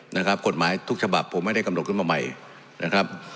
นะครับกฎหมายทุกฉบับผมไม่ได้กำหนดขึ้นมาใหม่นะครับ